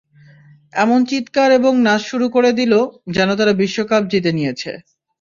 এমন চিৎকার এবং নাচ শুরু করে দিল, যেন তারা বিশ্বকাপ জিতে নিয়েছে।